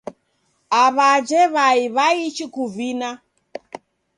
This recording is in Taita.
Aw'ajhe w'ai w'aichi kuvina.